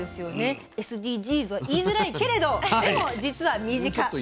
ＳＤＧｓ言いづらいけどもでも、実は身近。